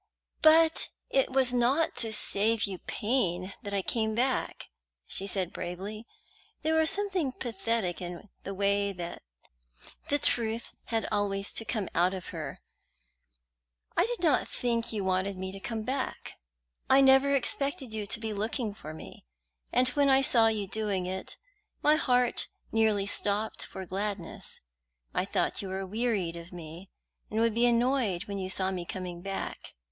"But it was not to save you pain that I came back," she said bravely. There was something pathetic in the way the truth had always to come out of her. "I did not think you wanted me to come back. I never expected you to be looking for me, and when I saw you doing it, my heart nearly stopped for gladness. I thought you were wearied of me, and would be annoyed when you saw me coming back.